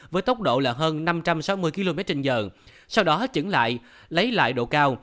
với tốc độ là hơn năm trăm sáu mươi kmh sau đó chứng lại lấy lại độ cao